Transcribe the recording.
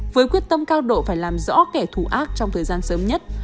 với quyết tâm cao độ phải làm rõ kẻ thù ác trong thời gian sớm nhất